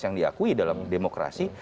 yang diakui dalam demokrasi